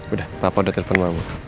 udah papa udah telepon mamu